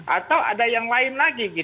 atau ada yang lain lagi